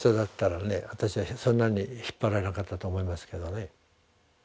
私はそんなに引っ張られなかったと思いますけどね。